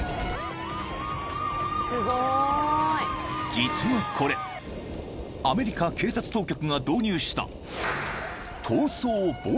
［実はこれアメリカ警察当局が導入した］